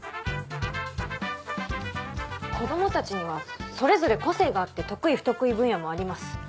子供たちにはそれぞれ個性があって得意不得意分野もあります。